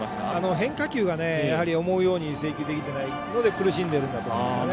変化球が思うように制球できていないので苦しんでいるんだと思います。